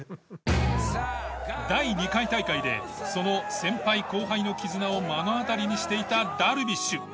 第２回大会でその先輩後輩の絆を目の当たりにしていたダルビッシュ。